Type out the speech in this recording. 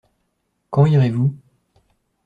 Quand irez-vous ?